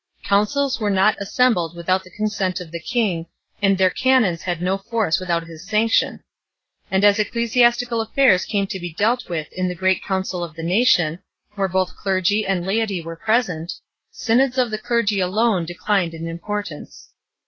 Councils were not assembled without the consent of the king, and their canons had no force without his sanction ; and as ecclesiastical affairs came to be dealt with in the great council of the nation, where both clergy and laity were present, synods of the clergy alone declined in importance.